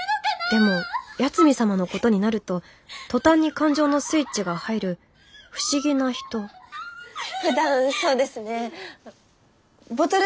でも八海サマのことになると途端に感情のスイッチが入る不思議な人ふだんそうですねボトルシップを作ったり。